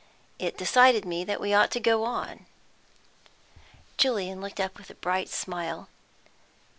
It decided me that we ought to go on." Julian looked up with a bright smile.